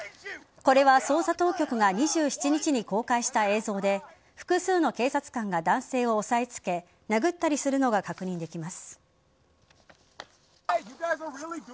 これは捜査当局が２７日に公開した映像で複数の警察官が男性を押さえ付け殴ったりするのが確認できます。